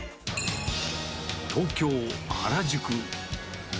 東京・原宿。